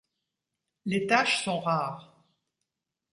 Les taches sont rares.